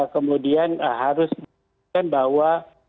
kemudian harus diperhatikan bahwa